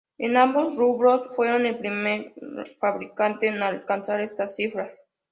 En ambos rubros, fueron el primer fabricante en alcanzar esas cifras.